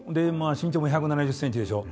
身長も１７０ｃｍでしょ？